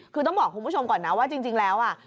คือต้องบอกคุณผู้ชมก่อนนะว่าจริงแล้วอ่ะ